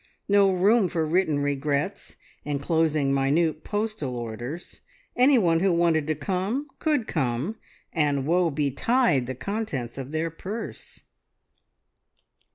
No room for written regrets, enclosing minute postal orders. Any one who wanted to come, could come, and woe betide the contents of their purse!